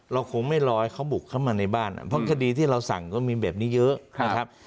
เราคงไม่รอให้เขาบุกเข้ามาในบ้านเพราะคดีที่เราสั่งก็มีแบบนี้เยอะนะครับ